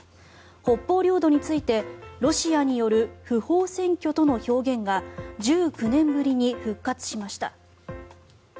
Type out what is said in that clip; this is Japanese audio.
北方領土についてロシアによる不法占拠との表現が１９年ぶりに復活しました。